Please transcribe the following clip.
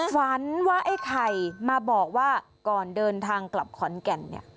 ฝันว่าไอ้ไข่มาบอกว่าก่อนเดินทางกลับขอนแก่นเนี่ย